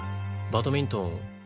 バドミントン